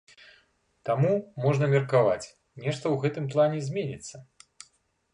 Таму, можна меркаваць, нешта ў гэтым плане зменіцца.